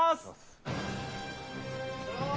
どうも！